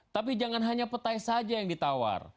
tapi jangan hanya petai saja yang ditawar